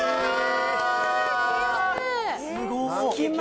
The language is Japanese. すごい。